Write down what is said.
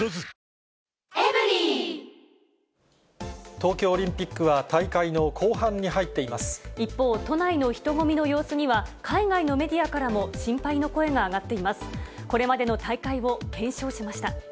東京オリンピックは大会の後一方、都内の人混みの様子には、海外のメディアからも心配の声が上がっています。